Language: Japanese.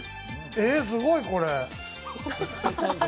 えー、すごいこれ。